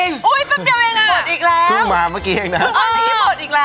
นี่ก็โสดกันหมดเลยตอนนี้ใช่ไหม